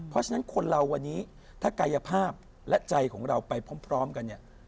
เพราะฉะนั้นคนเราวันนี้ถ้ากายภาพและใจของเราไปพร้อมกันเนี่ย